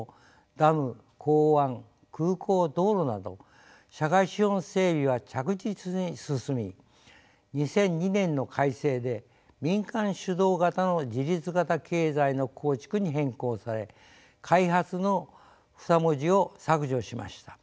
ダム港湾空港道路など社会資本整備は着実に進み２００２年の改正で「民間主導型の自立型経済の構築」に変更され「開発」の２文字を削除しました。